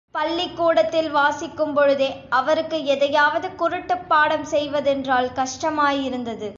பள்ளிக்கூடத்தில் வாசிக்கும் பொழுதே அவருக்கு எதையாவது குருட்டுப்பாடம் செய்வதென்றால் கஷ்டமாயிருந்தது.